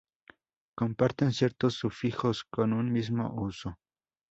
Comparten ciertos sufijos con un mismo uso.